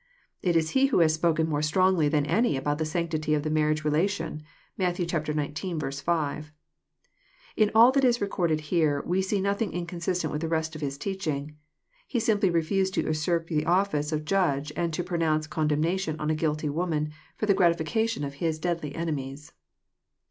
It is He who has spoken more strongly than any about the sanctity of the marriage relation. (Matt. xix. 5.) In all that is recorded here, we see nothing inconsistent with the rest of His teaching. He simply refused to usurp the office of the judge and to pro nounce condemnation on a guilty woman, for the gratifica ( tion of His deadly enemies.